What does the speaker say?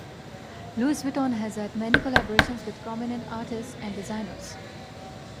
Louis Vuitton has had many collaborations with prominent artists and designers.